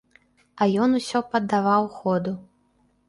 А ён усё паддаваў ходу.